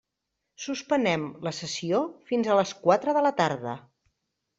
Suspenem la sessió fins a les quatre de la tarda.